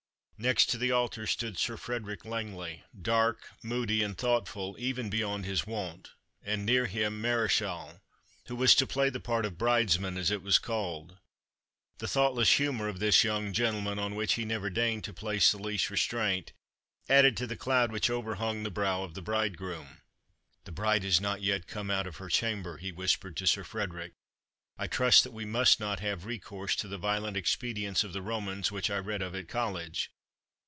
Next to the altar stood Sir Frederick Langley, dark, moody, and thoughtful, even beyond his wont, and near him, Mareschal, who was to play the part of bridesman, as it was called. The thoughtless humour of this young gentleman, on which he never deigned to place the least restraint, added to the cloud which overhung the brow of the bridegroom. "The bride is not yet come out of her chamber," he whispered to Sir Frederick; "I trust that we must not have recourse to the violent expedients of the Romans which I read of at College.